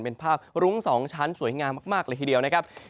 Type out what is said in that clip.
เป็นภาพรุ้งสองชั้นสวยงามมากเลยทีเดียว